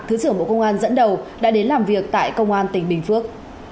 thứ trưởng bộ công an dẫn đầu đã đến làm việc tại công an tỉnh bình phước